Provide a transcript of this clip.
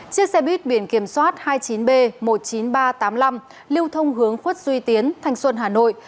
chiếc xe buýt biển kiểm soát hai mươi chín b một mươi chín nghìn ba trăm tám mươi năm lưu thông hướng khuất duy tiến thanh xuân hà nội